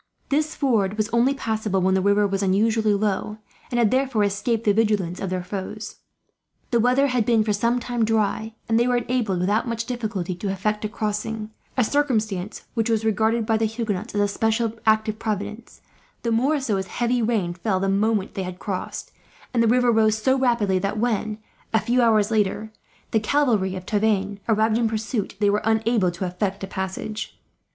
This ford was only passable when the river was unusually low, and had therefore escaped the vigilance of their foes. The weather had been for some time dry, and they were enabled, with much difficulty, to effect a crossing; a circumstance which was regarded by the Huguenots as a special act of Providence, the more so as heavy rain fell the moment they had crossed, and the river rose so rapidly that when, a few hours later, the cavalry of Tavannes arrived in pursuit, they were unable to effect a passage.